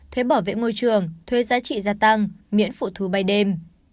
thuế bảo vệ môi trường thuê giá trị gia tăng miễn phụ thu bay đêm